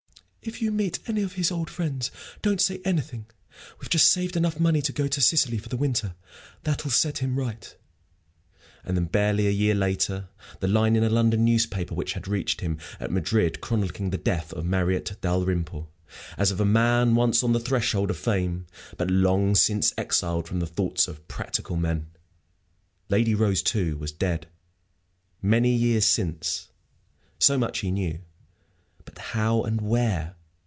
"If you meet any of his old friends, don't don't say anything! We've just saved enough money to go to Sicily for the winter that'll set him right." And then, barely a year later, the line in a London newspaper which had reached him at Madrid, chronicling the death of Marriott Dalrymple, as of a man once on the threshold of fame, but long since exiled from the thoughts of practical men. Lady Rose, too, was dead many years since; so much he knew. But how, and where?